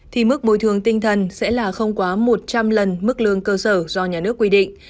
thì mức bồi thường tinh thần sẽ là không quá một trăm linh lần mức lương cơ sở do nhà nước quy định